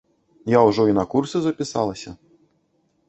Я ўжо і на курсы запісалася.